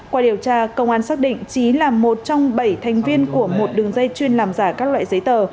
qua điều tra công an xác định trí là một trong bảy thành viên của một đường dây chuyên làm giả các loại giấy tờ